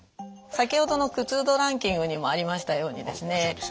先ほどの苦痛度ランキングにもありましたようにですね